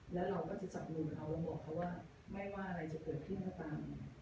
แล้วเราก็จะจับมือเขาแล้วบอกเขาว่าไม่ว่าอะไรจะเกิดขึ้นก็ตาม